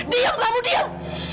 diam kamu diam